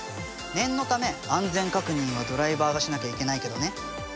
念のため安全確認はドライバーがしなきゃいけないけどね。